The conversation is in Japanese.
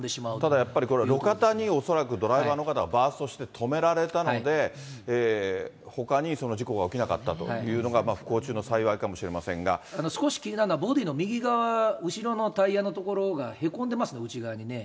ただやっぱり路肩にドライバーの方はバーストして止められたので、ほかに事故が起きなかったというのが不幸中の幸いかもしれません少し気になるのは、ボディーの右側、後ろのタイヤの所がへこんでますね、内側にね。